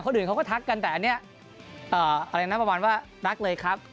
อื่นเขาก็ทักกันแต่อันนี้อะไรนะประมาณว่ารักเลยครับ